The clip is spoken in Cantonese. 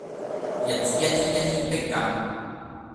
日子一天一天迫近